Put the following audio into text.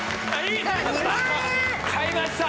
買いました！